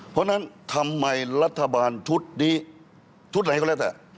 เพราะฉะนั้นทำไมรัฐบาลชุดนี้ชุดอะไรก็แล้วแต่